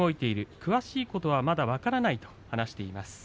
詳しいことはまだ分からないと話しています。